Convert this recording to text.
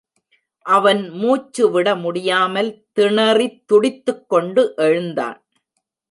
அவன் மூச்சு விட முடியாமல் திணறித் துடித்துக் கொண்டு எழுந்தான்.